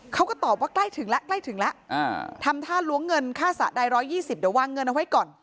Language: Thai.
เขาก็ตอบว่าใกล้ถึงแล้วใกล้ถึงแล้วทำท่าล้วงเงินค่าสระใด๑๒๐เดี๋ยววางเงินเอาไว้ก่อน